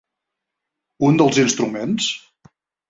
Un dels instruments?